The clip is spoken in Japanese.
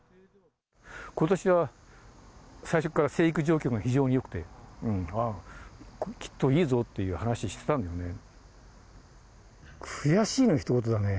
ことしは最初から生育状況も非常によくて、あっ、きっといいぞって話してたんだよね。